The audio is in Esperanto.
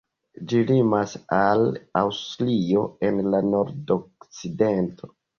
Ĝi limas al Aŭstrio en la nordokcidento.